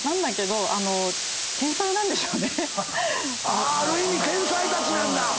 ある意味天才たちなんだ。